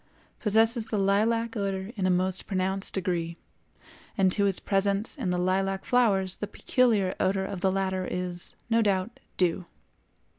possesses the lilac odor in a most pronounced degree, and to its presence in the lilac flowers the peculiar odor of the latter is, no doubt, due.